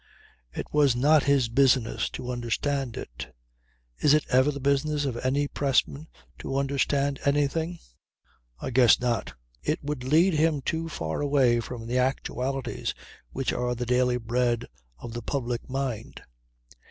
It was not his business to understand it. Is it ever the business of any pressman to understand anything? I guess not. It would lead him too far away from the actualities which are the daily bread of the public mind.